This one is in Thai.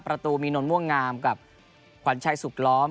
ประตูมีนนท์ม่วงงามกับขวัญชัยสุขล้อม